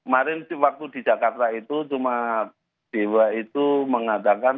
marin waktu di jakarta itu cuma dewa itu mengatakan